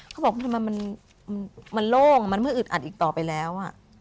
เขาบอกมันโล่งมันมืออึดอัดอีกต่อไปแล้วอะ